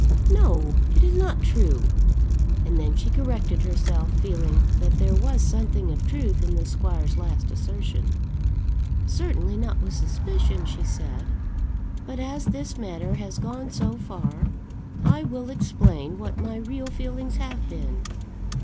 "No, it is not true." And then she corrected herself, feeling that there was something of truth in the squire's last assertion. "Certainly not with suspicion," she said. "But as this matter has gone so far, I will explain what my real feelings have been.